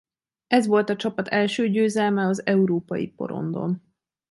Ez volt a csapat első győzelme az európai porondon.